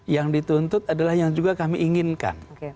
yang dituntut adalah yang juga kami inginkan